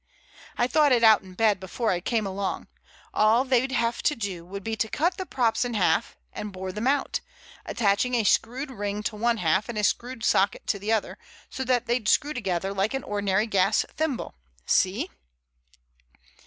"I thought it out in bed before I came along. All they'd have to do would be to cut the props in half and bore them out, attaching a screwed ring to one half and a screwed socket to the other so that they'd screw together like an ordinary gas thimble. See?"